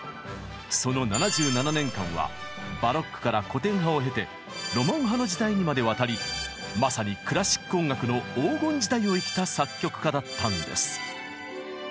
その７７年間はバロックから古典派を経てロマン派の時代にまでわたりまさにクラシック音楽の黄金時代を生きた作曲家だったんです。